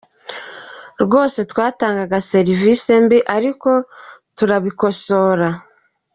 Rwose twatangaga serivisi mbi ariko turabikosora.